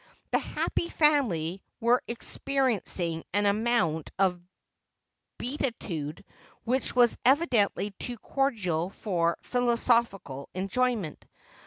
The "Happy Family" were experiencing an amount of beatitude which was evidently too cordial for philosophical enjoyment.